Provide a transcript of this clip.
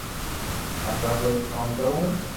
مني لاگي ڪي ڪوم ڪرو ھون